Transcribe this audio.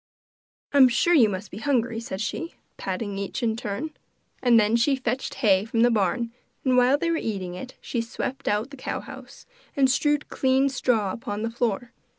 'I'm sure you must be hungry,' said she, patting each in turn. And then she fetched hay from the barn, and while they were eating it, she swept out the cow house, and strewed clean straw upon the floor.